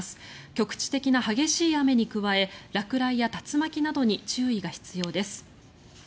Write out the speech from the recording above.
局地的な激しい雨に加え落雷や竜巻などに注意が必要です。